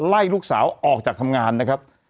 ไล่ลูกสาวออกจากทำงานนะครับ